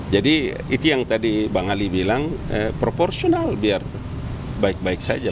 jadi itu yang tadi bang ali bilang proporsional biar baik baik saja